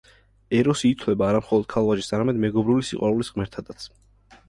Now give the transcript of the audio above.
ეროსი ითვლება არა მხოლოდ ქალ–ვაჟის, არამედ მეგობრული სიყვარულის ღმერთადაც.